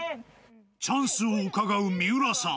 チャンスをうかがう三浦さん